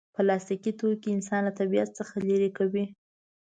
پلاستيکي توکي انسان له طبیعت څخه لرې کوي.